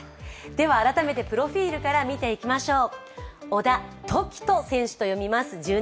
改めてプロフィールから見ていきましょう。